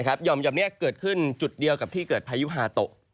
ห่อมนี้เกิดขึ้นจุดเดียวกับที่เกิดพายุฮาโตะ